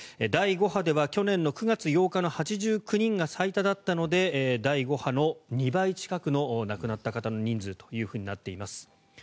第５波では去年９月８日の８９人が最多だったので第５波の２倍近くの亡くなった方の人数となっています。